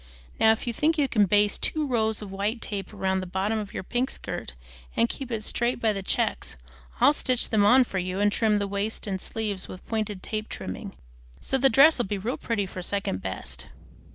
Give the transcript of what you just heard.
Now if you think you can baste two rows of white tape round the bottom of your pink skirt and keep it straight by the checks, I'll stitch them on for you and trim the waist and sleeves with pointed tape trimming, so the dress'll be real pretty for second best."